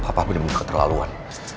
sikap bapak bener bener keterlaluan